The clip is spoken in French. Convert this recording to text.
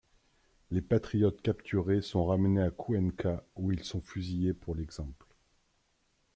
Les patriotes capturés sont ramenés à Cuenca où ils sont fusillés pour l'exemple.